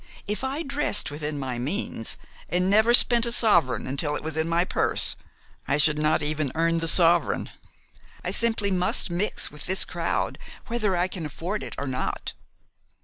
If I dressed within my means, and never spent a sovereign until it was in my purse, I should not even earn the sovereign. I simply must mix with this crowd whether I can afford it or not."